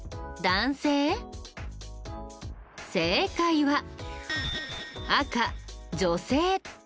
正解は赤女性。